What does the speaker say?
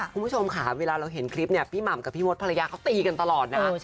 คุณผู้ชมค่ะเวลาเราเห็นคลิปเนี่ยพี่หม่ำกับพี่มดภรรยาเขาตีกันตลอดนะ